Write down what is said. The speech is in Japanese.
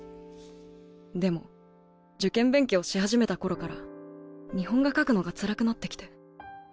でも受験勉強しはじめた頃から日本画描くのがつらくなってきて。